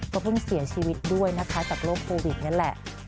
ก็เพิ่งเสียชีวิตด้วยนะคะจากโรคโควิดนั่นแหละ